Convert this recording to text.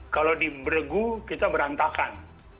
kalau di bregu kita berantakan